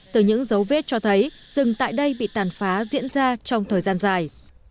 từ những dấu vết cho thấy rừng tại đây bị tàn phá diễn ra trong thời gian dài